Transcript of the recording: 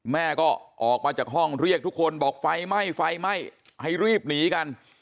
แม่ก็ออกมาจากห้องเรียกทุกคนบอกไฟไหม้ไฟไหม้ให้รีบหนีกัน